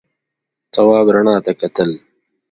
تواب رڼا ته کتل.